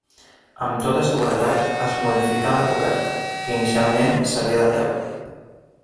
Amb tota seguretat es modificà la coberta, que inicialment seria de teula.